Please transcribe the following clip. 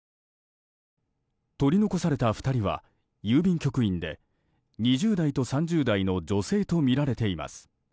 取り残された２人は郵便局員で２０代と３０代の女性とみられています。